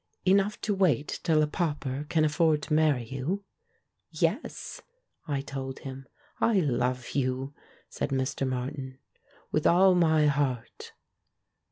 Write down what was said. "Enough to wait till a pauper can afford to marry you?" "Yes," I told him. "I love you," said Mr. Martin, "with all my heart!"